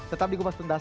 tetap di kupas tuntas